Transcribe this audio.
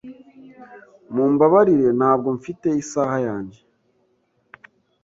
Mumbabarire ntabwo mfite isaha yanjye.